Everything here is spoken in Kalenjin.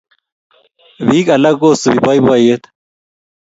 piik alak ko subi boiboiyet